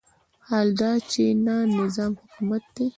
حال دا چې نه نظام حکومت دی.